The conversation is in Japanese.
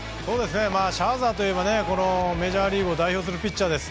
シャーザーといえばメジャーリーグを代表するピッチャーです。